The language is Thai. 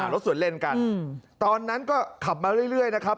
รถสวนเล่นกันตอนนั้นก็ขับมาเรื่อยนะครับ